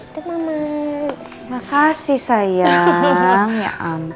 terima kasih sayang